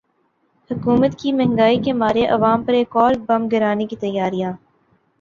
حکومت کی مہنگائی کے مارے عوام پر ایک اور بم گرانے کی تیاریاں